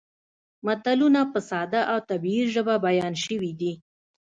متلونه په ساده او طبیعي ژبه بیان شوي دي